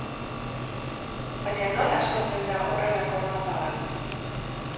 Baina nola sortzen da horrelako mapa bat?